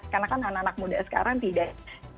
karena kan anak anak muda sekarang tidak